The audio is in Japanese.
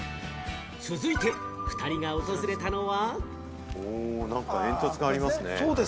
続いて２人が訪れたのは。